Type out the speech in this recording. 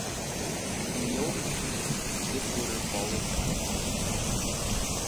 In the Old Testament, this order follows that of the Hebrew Bible.